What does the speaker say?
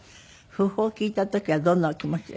訃報を聞いた時はどんなお気持ちでした？